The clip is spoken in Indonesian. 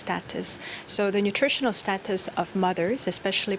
status nutrisi ibu terutama ibu yang lakta dan perempuan harus diperbaiki